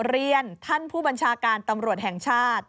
เรียนท่านผู้บัญชาการตำรวจแห่งชาติ